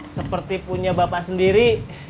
seperti punya bapak sendiri